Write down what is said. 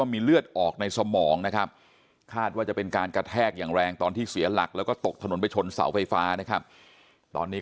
มีอาการเหมือนกัน